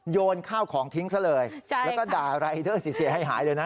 โยนข้าวของทิ้งซะเลยแล้วก็ด่ารายเดอร์เสียให้หายเลยนะ